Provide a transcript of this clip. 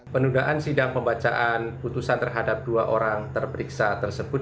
penundaan sidang pembacaan putusan terhadap dua orang terperiksa tersebut